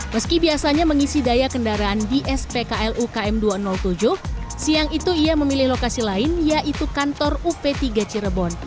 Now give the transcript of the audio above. meski biasanya mengisi daya kendaraan di spklu km dua ratus tujuh siang itu ia memilih lokasi lain yaitu kantor up tiga cirebon